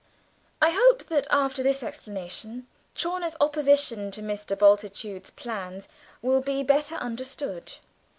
I hope that, after this explanation, Chawner's opposition to Mr. Bultitude's plans will be better understood.